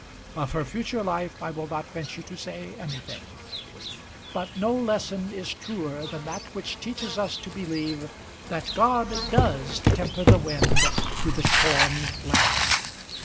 Of her future life I will not venture to say anything. But no lesson is truer than that which teaches us to believe that God does temper the wind to the shorn lamb.